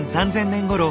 ３０００年ごろ